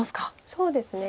そうですね